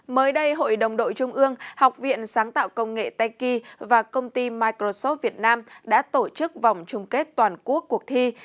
mới đây hội đồng đội trung ương học viện sáng tạo công nghệ techi và công ty microsoft việt nam đã tổ chức vòng chung kết toàn quốc cuộc thi